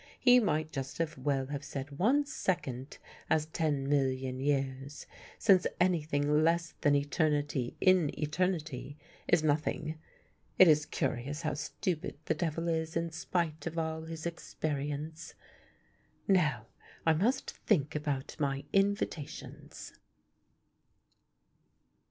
He might just as well have said one second as ten million years, since anything less than eternity in eternity is nothing. It is curious how stupid the devil is in spite of all his experience. Now I must think about my invitations."